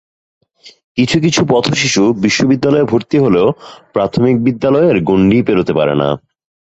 কিছু কিছু পথশিশু বিদ্যালয়ে ভর্তি হলেও প্রাথমিক বিদ্যালয়ের গণ্ডিই পেরোতে পারে না।